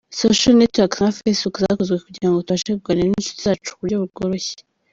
social networks nka Facebook zakozwe kugirango tubashe kuganira n’inshuti zacu ku buryo bworoshye.